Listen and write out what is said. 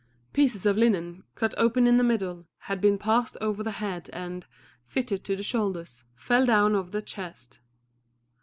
Pieces of linen, cut open in the middle, had been passed over the head and, fitted to the shoulders, fell down over the chest.